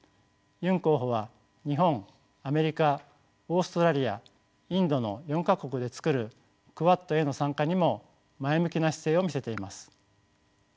ユン候補は日本アメリカオーストラリアインドの４か国で作るクアッドへの参加にも前向きな姿勢を見せています。